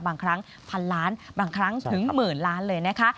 บางครั้งพันล้านบางครั้งถึงหมื่นล้านเลยนะคะ